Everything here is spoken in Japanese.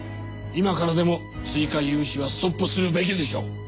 今からでも追加融資はストップするべきでしょう。